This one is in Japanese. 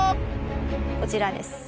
こちらです。